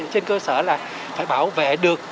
trên cơ sở là phải bảo vệ được